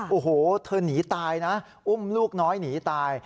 โอ้โหเธอหนีตายนะอุ้มลูกน้อยหนีตาย